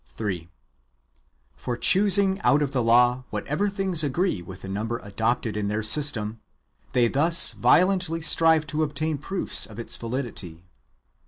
3. For, choosing out of the law whatever things agree with the number adopted in their system, they thus violently strive to obtain proofs of its validity.